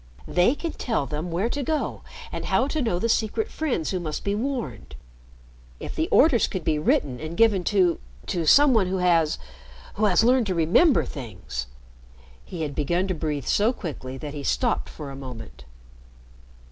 They can tell them where to go and how to know the secret friends who must be warned. If the orders could be written and given to to some one who has who has learned to remember things!" He had begun to breathe so quickly that he stopped for a moment.